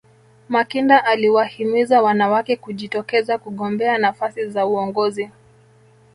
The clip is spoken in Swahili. makinda aliwahimiza wanawake kujitokeza kugombea nafasi za uongozi